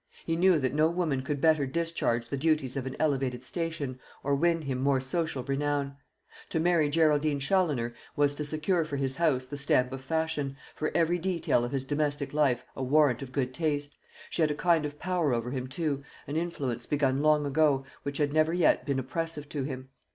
He knew that no woman could better discharge the duties of an elevated station, or win him more social renown. To marry Geraldine Challoner was to secure for his house the stamp of fashion, for every detail of his domestic life a warrant of good taste. She had a kind of power over him too, an influence begun long ago, which had never yet been oppressive to him.